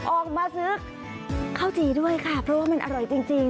ออกมาซื้อข้าวจี่ด้วยค่ะเพราะว่ามันอร่อยจริง